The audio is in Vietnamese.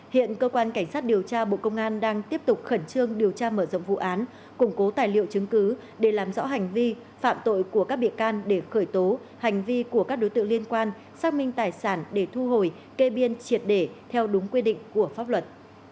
hiện cơ quan cảnh sát điều tra bộ công an đang tiếp tục khẩn trương điều tra mở rộng vụ án củng cố tài liệu chứng cứ để làm rõ hành vi phạm tội của các bị can để khởi tố hành vi của các đối tượng liên quan xác minh tài sản để thu hồi kê biên triệt để theo đúng quy định của pháp luật